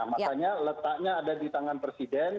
makanya letaknya ada di tangan presiden